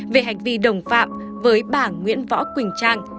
về hành vi đồng phạm với bảng nguyễn võ quỳnh trang